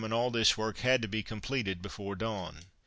and all this work had to be completed before dawn.